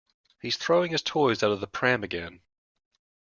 He’s throwing his toys out the pram again